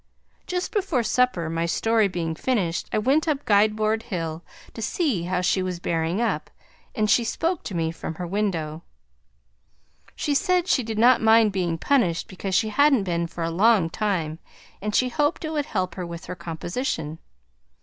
Just before supper my story being finished I went up Guide Board hill to see how she was bearing up and she spoke to me from her window. She said she did not mind being punished because she hadn't been for a long time, and she hoped it would help her with her composition.